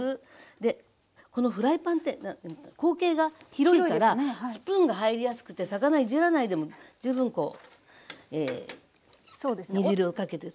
でこのフライパンって口径が広いからスプーンが入りやすくて魚いじらないでも十分こう煮汁をかけていけます。